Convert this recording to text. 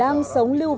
đang sống như thế nào